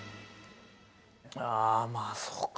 ああ、まあそうか。